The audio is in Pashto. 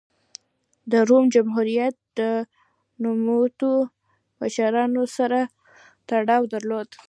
د روم جمهوریت د نوموتو مشرانو سره تړاو درلود.